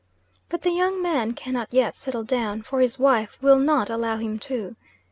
But the young man cannot yet settle down, for his wife will not allow him to.